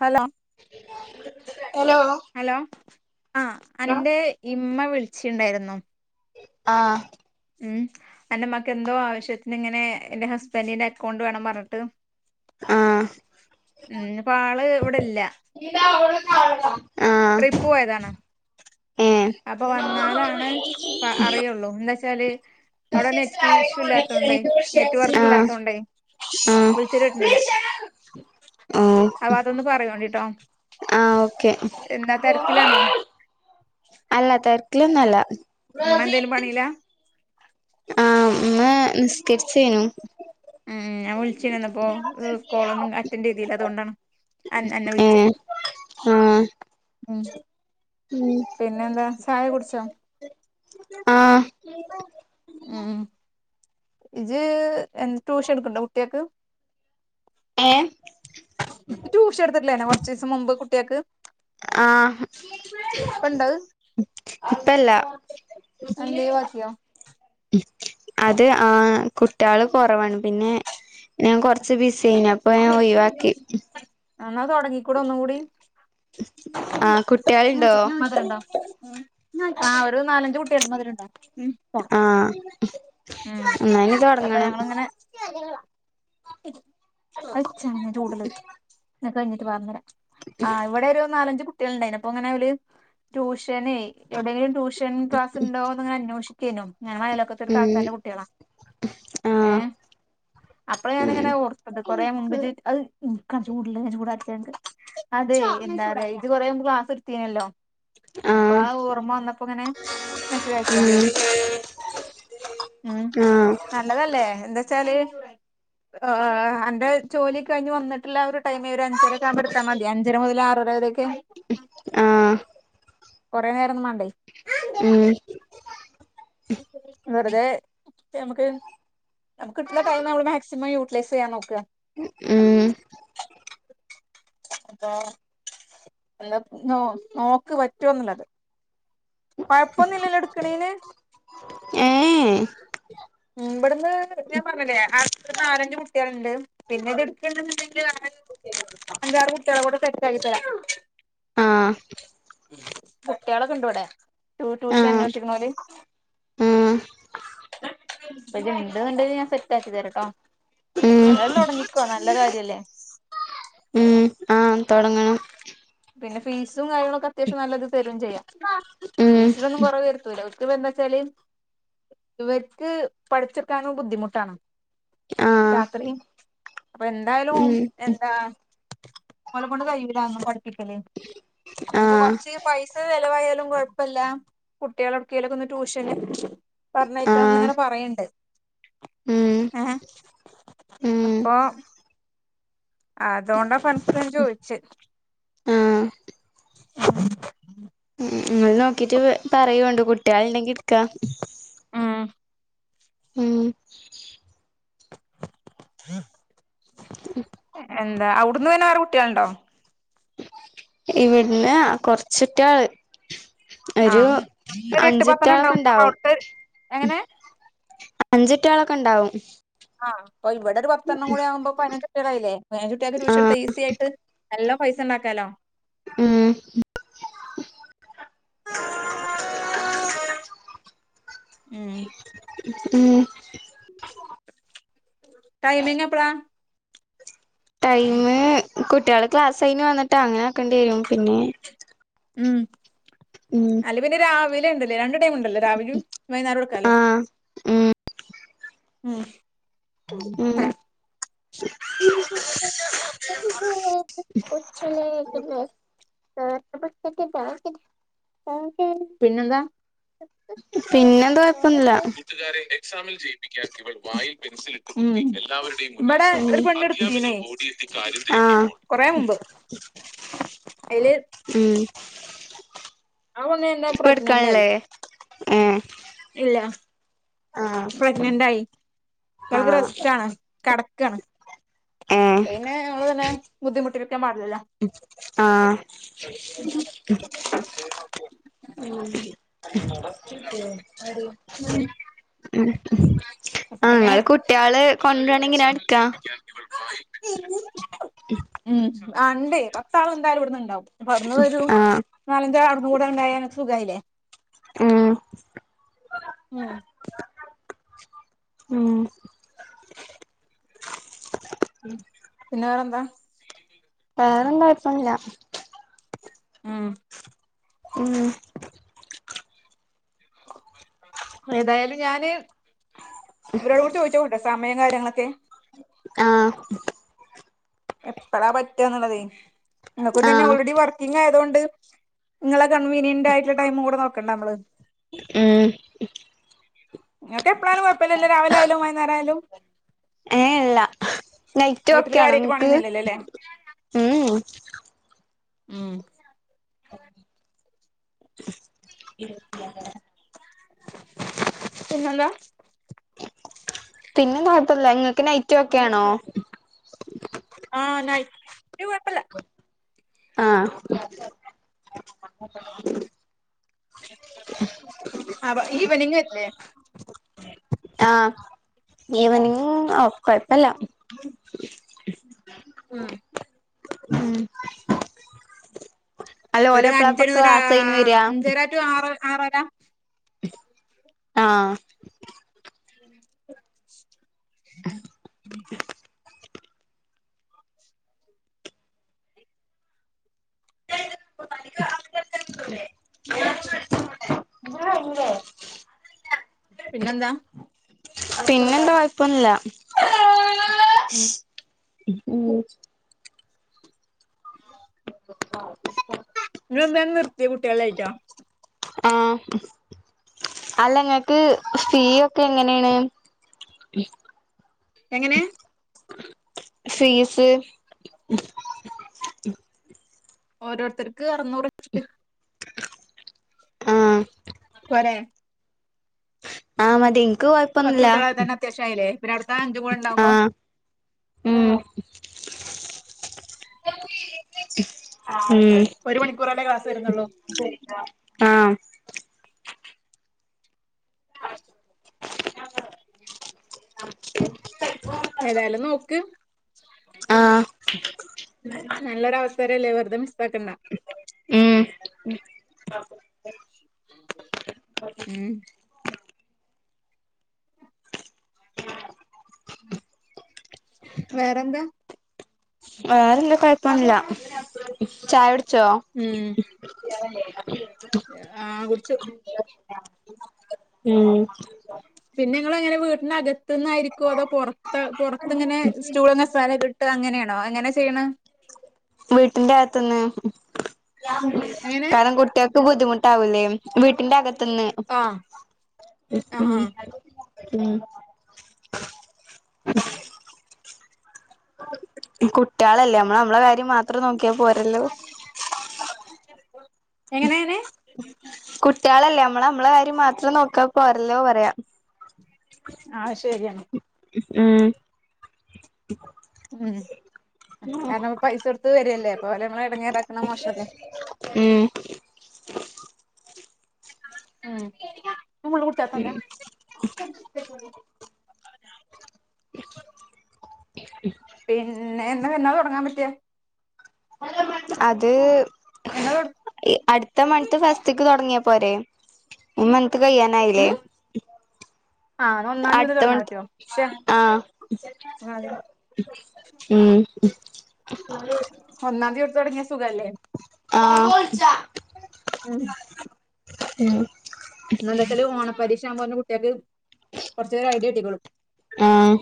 Hello hello ആ അന്റെ ഇമ്മ വിളിച്ചിണ്ടായിരുന്നു. ആഹ ഉം അന്റെ മ്മക്ക് എന്തോ ആവശ്യത്തിന് ഇങ്ങനെ എന്റെ ഹസ്ബന്റിന്റെ അക്കൗണ്ട് വേണം പറഞ്ഞിട്ട്- ആഹ ഉം പ്പ ആള് ഇവിടെല്ല ആഹ് ട്രിപ്പ് പോയതാണ് ഏഹ് അപ്പൊ വന്നാലാണ് അറിയുള്ളൂ എന്താ ച്ചാല് അവിടെ നെറ്റ് ഇഷ്യൂ ഇല്ലാത്തോണ്ടയ് നെറ്റ് വർക്ക് ആഹ് ഇല്ലാത്തോണ്ട് ആഹ് വിളിച്ചിട്ട് കിട്ടണില്ല. അ ഓഹ് അതൊന്ന് പറയോണ്ടിട്ടോ ആഹ് ഓക്കെ എന്താ തിരക്കിലാണോ? [unintelligible] മ്മ എന്തേലും പണീല? ആ മ്മ നിസ്കര്ച്ചേനു. ഉം ഞാൻ വിൾച്ചി അന്നപ്പോ കോളൊന്നും അറ്റന്റെയ്തില്ല. അതുകൊണ്ടാണ്. അ അന്നെ വിൾച്ച ഏഹ് ആഹ് ഉം ഉം പിന്നെന്താ ചായ കുട്ച്ചോ? ആഹ് ഉം ജ്ജ് ട്യൂഷൻ ഇട്ക്ക്ണ്ടോ കുട്ട്യാക്ക്? ഏഹ് ട്യൂഷൻ ഇട്ത്തിട്ടില്ലേനോ കൊർച്ചീസം മുമ്പ് കുട്ട്യാക്ക്? ആഹ് ഇപ്പണ്ടത് ഇപ്പല്ല. എന്തേഴിവാക്കിയോ? അത് ആ കുട്ട്യേള് കൊറവാണ് പിന്നെ ഞാൻ കൊർച്ച് ബിസി ഏനി അപ്പൊ ഞാൻ ഒഴിവാക്കി. ന്നാ തൊട്ങ്ങി കൂടെ ഒന്നും കൂടി. ആഹ് കുട്ട്യാള്ണ്ടോ മധുരം ണ്ടോ? ആ ഒരു നാലഞ്ചു കുട്ടിയാ മധുരംയുണ്ടോ ആഹ് [unintelligible] എന്നാ ഇനി തൊടങ്ങണം അത് ച്ചാ [unintelligible] ണ് ചൂടുള്ളത്. എല്ലാം കഴിഞ്ഞിട്ട് വാ തരാം ആ ഇവിടെ ഒരു നാലഞ്ച കു- അപ്പ അങ്ങനെ ഓല് ട്യൂഷന് എവിടെങ്കിലും ട്യൂഷൻ ക്ലാസ് ഉണ്ടോന്ന് അങ്ങനെ അന്വേഷിക്ക- ഞങ്ങളെ അയലോക്കത്തെ ഒരു ഉം താത്താന്റെ കുട്ടികളാ ഏ ആഹ് അപ്പഴ ഉം ഞാനിങ്ങനെ ഓർത്തത് കൊറെ മുമ്പ് അത്- ചൂടുള്ളത് ചൂടാറ്റി തരണ്ട് അതെ എന്താ പറയാ ജ്ജ് കൊറേ മുമ്പ് ക്ലാസ് എടുത്തീനല്ലോ അപ്പൊ ആഹ് ആ ഓർമ്മ വന്നപ്പോ ഇങ്ങനെ മെസജായച്ചതാ ഉം ഉം ആഹ് നല്ലതല്ലേ എന്താ വെച്ചാല് ആ അന്റെ ജോലി കഴിഞ് വന്നിട്ട്- ട്ടുള്ള ഒരു ടൈം ഒരു അഞ്ചരക്ക ആകുമ്പോ എട്ത്താ മതി അഞ്ചര മുതൽ ആറര വരെയൊക്കെ- ആഹ് കൊറെ നേരൊന്നും മാണ്ടേ ഉം വെറുതെ നമുക്ക് നമക്ക് കിട്ട്ണ ടൈം മാക്സിമം യൂസ്- പൈസ നോക്കുക ഉം [unintelligible] അപ്പൊ എന്താ നോ നോക്ക് പറ്റോന്നുള്ളത് കൊഴപ്പൊന്നും ഇല്ലല്ലോ എടുക്കേണന് [unintelligible] ഇവുടുന്ന് ഞാൻ പറഞ്ഞില്ലേ അന്ന് നാലഞ്ചു കുട്ടികളോണ്ട് പിന്നെ ഇത് എടുക്കണ്ടുണ്ടെങ്കിൽ ആ- അഞ്ചാറു കുട്ടികളെക്കൂടി സെറ്റ് ആക്കി തരാം ആഹ് കുട്ടികളൊക്കെയിണ്ട് ഇവിടെ ട്യൂഷൻ ആഹ് അന്വേഷിക്കണ ഓല് ആഹ് അപ്പൊ ഇത് ഇണ്ട് എന്നുണ്ടെങ്കിൽ ഞാൻ സെറ്റ് ആക്കി തരട്ടോ ഉം ഏതായാലും തൊടങ്ങിക്കോ. നല്ല കാര്യല്ലേ? ഉം ആഹ് തൊടങ്ങണം. പിന്നെ ഫീസും കാര്യങ്ങളൊക്കെ അത്യാവശ്യം നല്ലത് തരും ചെയ്യാം. ഉം ഫീസിലൊന്നും കൊറവ് വരുത്തൂല. [unintelligible] എന്ന് വെച്ചാല് ഇവര്ക്ക് പഠിച്ചെടുക്കാനും ബുദ്ധിമുട്ടാണ്. ആഹ് രാത്രി അപ്പൊ എന്തായാലും ഉം [unintelligible] എന്താ ങ്ങളെ കൊണ്ട് കഴിയൂല അതൊന്നും പഠിപ്പിക്കല്. അപ്പനി ഇപ്പൊ ആഹ് കൊറച്ച് പൈസ ചെലവായാലും കൊഴപ്പയില്ല. കുട്ടികളടുക്കേലൊക്കെ ഒന്ന് ട്യൂഷന് പറഞ്ഞയക്കാന്ന് ആഹ് ഇങ്ങനെ പറയണ്ട്. ഉം ഏഹ് ഉം അപ്പൊ അതോൊണ്ടാ [unintelligible] ചോദിച്ചേ? ഉം നിങ്ങൾ നോക്കിട്ട് പറയോണ്ട് കുട്ടിയോള് ഇണ്ടെങ്കി ഇട്ക്കാ ഉം ഉം ഹ ഉ എന്താ അവിടുന്ന് പിന്നെ വേറെ കുട്ടിയേള്ണ്ടോ ഇവിട്ന്ന് കൊറച്ചുട്ട്യോള് ഒരു ആഹ് ഒരു എട്ട് പത്തെണ്ണം അഞ്ചട്ടാളൊക്കെ ഉണ്ടാവും അപ്പൊ ഇണ്ടാവും അവിടുത്തെ എങ്ങനെ അഞ്ച് കുട്ട്യോളൊക്കെ ഇണ്ടാവും ആ അപ്പൊ ഇവിടെ ഒരു പത്തെണ്ണം കൂടിയാവുമ്പോ പയ്നഞ്ച് കുട്ട്യോളായിലേ പയ്നഞ്ച് കുട്ട്യോക്ക് ആഹ് ടൂഷട്ത്ത ഈസി ആയിട്ട് നല്ലം പൈസ ഇണ്ടാക്കാലോ ഉം ആ [inaudible] ഉം ഉം ടൈമിങ്ങപ്പളാ ടൈം കുട്ടികള് ക്ലാസ് കഴിഞ്ഞ് വന്നിട്ട് അങ്ങനെ ആക്കേണ്ടി വരും പിന്നെ ഉം ഉം അല്ല പിന്നെ രാവിലെ ഇണ്ട് ലേ രണ്ട് ടൈമ് ഇണ്ടല്ലോ രാവിലിം വൈ ന്നാരോട്ക്കാലോ ആഹ് ഉം ഉം ഉം കൊച്ചല്ല [inaudible] പിന്നെന്താ പിന്നെന്താ കൊഴപ്പൊന്നില്ല സാമിൽ ജയിപ്പിക്കാൻ ഇവടെ ഉം ഒരു പെണ്ണ് ഇട്ത്തീന് ആഹ് കൊറെ മുമ്പ് അയ്ല് ഉം എന്താ ഇപ്പ പ്രഗ്നന്റ് ആയി എടുക്കാല്ലേ ഏ ഇല്ല പ്രഗ്നന്റ് ആയി അവൾക്ക് ആഹ് റെസ്റ്റ് ആണ് കടക്കാണ് ഏഹ് പിന്നെ ഞമ്മള് തന്നെ ബുദ്ധിമുട്ടിക്കാൻ പാടില്ലല്ലോ ആഹ് ഉം അപ്പ ആഹ് പിന്നെ ഇങ്ങള് കുട്ടികള് കൊണ്ടുവരാണെങ്കി ഞാൻ എടുക്കാം ഉം ആ ഇണ്ടേ പത്താള് എന്തായാലും ഇവിട്ന്ന്ണ്ടാവും അപ്പൊ അവിട്ന്ന് ഒരു ആഹ് നാലഞ്ചാ [unintelligible] അവിട്ന്നും കൂടെ ഉണ്ടായ അൻക്ക് സുഖായിലേ ഉം ഉം ഉം പിന്നെ വേറെന്താ. വേറെന്താ കൊയപ്പൊന്നുല്യ. ഉം ഉം. ഏതായാലും ഞാന് ഇവരോട് കൂടി ചോയ്ച്ചോക്കട്ടെ സ മയും കാര്യങ്ങളൊക്കെ. ആഹ് എപ്പഴാ പറ്റാന്നുള്ളതേ ഇങ്ങക്കും തന്നെ ആഹ് ഓൾറെഡി വർക്കിംഗ് ആയതോണ്ട് ഇങ്ങളെ കൺവീനിയന്റായിട്ടള്ള ടൈം കൂടെ നോക്കണ്ടെ അമ്മള്. ഉം ഇങ്ങക്ക് എപ്പളായാലും കൊഴപ്പല്ലല്ലോ രാവിലായാലും വൈന്നേരായാലും. ഏഹ് ഇള്ള. നൈറ്റ് വീട്ടില് ഒക്കെയാണോ കാര്യായിട്ട് ഇങ്ങക്ക്? പണിയൊന്നും ഇല്ലല്ലോ അല്ലേ മ്ഹും ഉം [unintelligible] പിന്നെന്താ? [unintelligible] ഇങ്ങക്ക് നൈറ്റ് ഒക്കെയാണോ? ആഹ് നൈറ്റ് കൊഴപ്പല്ല. ആഹ് അബ ഈവനിംഗ് പറ്റില്ലെ? ആഹ് ഈവനിംഗ് ഓഹ് കൊഴപ്പല്ല. ഉം ഉം ഒരു അഞ്ചരാ [unintelligible] വരാ അഞ്ചര ടു ആറ് ആക്കാം. ആഹ് [inaudible] [unintelligible] പിന്നെന്താ. പിന്നെന്താ ഒപ്പൊല്ല. ഉം. ഉം. [inaudible] ഇന്റെ ട്ട്യേൾ ലെയിറ്റ. ആഹ്. അല്ല ങ്ങക്ക് ഫീ ഒക്കെ എങ്ങനാണ്. എങ്ങനെ. ഫീസ്. ഓരോരുത്തർക്ക് അറുന്നൂറ് ച്ട്ട്. ആഹ് പൊരെ. ആഹ് മതി. കൊഴപ്പൊന്നുല്ല പതുട്ട്യേളേ തന്നെ അത്യാവശ്യയില്ലേ പിന്ന അട്ത്ത അഞ്ചും കൂടെ ഉണ്ടാവ്മ്പൊ- ആഹ് [inaudible] ഉം ഉം ക്ലാസ് വരുന്നുള്ളൂ ആഹ് - [inaudible] ഏതായാലും നോക്ക് [inaudible] [unintelligible] നല്ലൊരു അവസരല്ലേ വെറുതെ മിസാക്കണ്ട. ഉം ഉം. വേറെന്താ [unintelligible] [unintelligible] ചായയുടിച്ചോ ഉം ആഹ് കുടിച്ചു ഉം നിങ്ങളെങ്ങനാ വീട്ന്റെ അകത്തു നിന്നാരിക്കോ അതോ പൊറത്ത് പൊറത്ത്ങ്ങനെ സ്റ്റുളും കസേരക്കെ ഇട്ട് അങ്ങനെയാ ണോ എങ്ങന ചെയ്യണേ വീട്ടിന്റെ അകത്ത്ന്ന് എങ്ങനെ കാരണം കുട്ടി ക്ക് ബുദ്ധിമുട്ടാവൂലേ വീട്ടിന്റെ അകത്ത്ന്ന് ആഹ് ആഹ് ആഹ് ഉം കുട്ടികളല്ലേ മ്മള് മ്മളെ കാര്യം മാ ത്രം നോക്കിയാ പോരല്ലോ കു എങ്ങനെ എങ്ങനെ കുട്ടിയാളല്ലേ മ്മള് മ്മളെ കാര്യം മാത്രം നോക്കിയാ പോരല്ലോ പറയാ ആഹ് ശെരിയാണ് ഉം ഉം കാരണം പൈസ കൊടുത്ത് വര്അല്ലേ അപ്പ അവരെ മ്മള് ഇടങ്ങേറാക്കണ മോശഅല്ലേ ഉം ഉം [inaudible] [inaudible] പിന്നെ എന്നാ എന്നാ തൊടങ്ങാൻ പറ്റ്വ അത് എന്നാ തൊ അടുത്ത മണ്ത്ത് ഫസ്റ്റ്ക്ക് തൊടങ്ങിയ പോരെ ഈ മന്ത്‌ കയ്യാനായില്ലേ ഉം ആഹ് എന്നാ ഒന്നാം തീയതി മുതൽ അടുത്ത തൊടങ്ങാൻ മന്ത് പറ്റോ ശ്ശെ ആഹ് അതെ ഉം [unintelligible] തൊടങ്ങിയ സുഖല്ലേ ഉം ഉം എന്നാ എന്താച്ചാല് ഓണ പരീഷ അവ്മ്പത്തിന് കുട്ടിയാക്ക് കൊറച്ചു ഐഡിയ കിട്ടിക്കോളും ആഹ്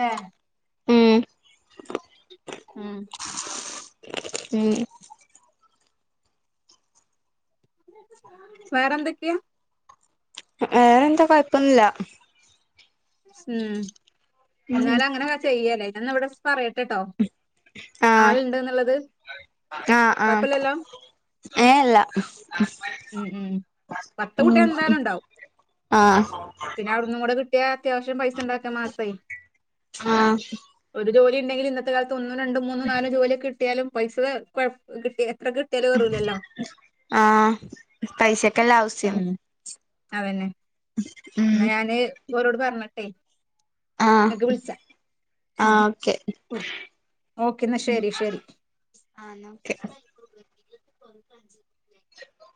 ലെ ഉം ഉം ഉം വേറെന്തൊക്കെയാ വേറെന്താ കൊഴപ്പൊന്നുല്ല ഉം എന്നാല് അങ്ങനെ ചെയ്യല്ലേ ഞാൻ എന്നാ ഇവിടെ പറയട്ടെട്ടോ ആഹ് ആള് ണ്ട് എന്ന്ള്ളത് ആഹ് ആഹ് ഏ അല്ല ഉം ഉം പത്ത് ഉം കുട്ടികൾ എന്തായാലും ഉണ്ടാവും ആഹ് പിന്നെ അവിട്ന്നും കൂടെ കിട്ടിയാ അത്യാവശ്യം പൈസ ഉണ്ടാക്ക മാസെ ആഹ് ജോലി ഉണ്ടെങ്കില് ഇന്നത്തെ കാലത്ത് ഒന്നു രണ്ടും മൂന്നും നാലും ജോലിക്കെ കിട്ടിയാലും പൈസ ത കൊ കിട്ടിയ എ എത്ര കിട്ടിയാലും ഏറുലല്ലോ ആഹ് പൈസക്കല്ല ആവശ്യം ഉം അതന്നെ ഉം എന്നാ ഞാന് ഓരോട് പറഞ്ഞിട്ടെ ആഹ് ഇങ്ങക്ക് വിളിച്ചാ മതി ആഹ് ഓക്കെ ഓക്കെ എന്നാ ശെരി ശെരി ആഹ് ന്നാ ഓക്കെ [unintelligible] ക്കൊന്നും മനസി